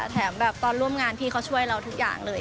แถมแบบตอนร่วมงานพี่เขาช่วยเราทุกอย่างเลย